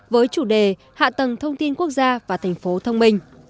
với chủ đề hạ tầng thông tin quốc gia và thành phố thông minh